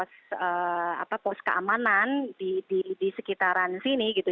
ada pos keamanan di sekitaran sini gitu